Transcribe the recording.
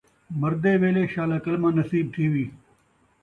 مردے ویلے شالا کلمہ نصیب تھیوی